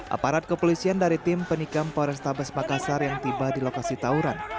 aparat kepolisian dari tim penikam polrestabes makassar yang tiba di lokasi tauran